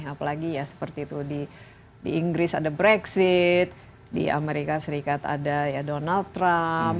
apalagi ya seperti itu di inggris ada brexit di amerika serikat ada ya donald trump